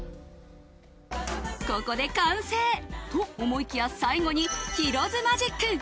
ここで完成と思いきや最後にヒロ’ｓマジック。